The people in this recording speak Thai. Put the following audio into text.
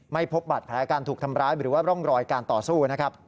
ไม่พบบัตรแผลการถูกทำร้ายหรือว่าร่องรอยการต่อสู้นะครับ